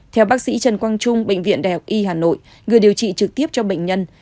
theo bác sĩ trần quang trung bệnh viện đại học y hà nội người điều trị trực tiếp cho bệnh nhân